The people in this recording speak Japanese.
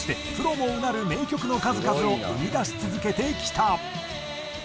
もうなる名曲の数々を生み出し続けてきた。